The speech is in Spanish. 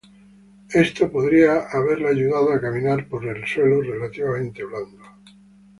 Esto podría haberle ayudado a caminar por suelo relativamente blando.